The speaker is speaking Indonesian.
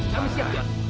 kami siap tuan